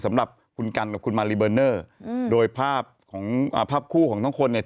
สำหรับคุณกันกับคุณมารีเบอร์เนอร์อืมโดยภาพของอ่าภาพคู่ของทั้งคนเนี่ย